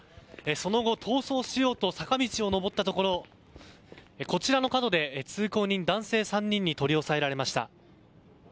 その後、逃走しようと坂道を上ったところこちらの角で通行人の男性３人に取り押さえられました。